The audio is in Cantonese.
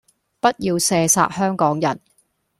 不要射殺香港人